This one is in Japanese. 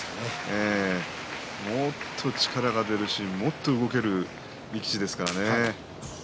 もっと力が出るしもっと動ける力士ですからね。